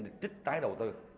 để trích tái đầu tư